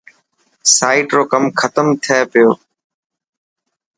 سائٽ رو ڪم ڪٿي پهتو.